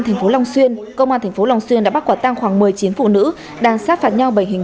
tp long xuyên công an tp long xuyên đã bắt quả tang khoảng một mươi chín phụ nữ đang sát phạt nhau bởi hình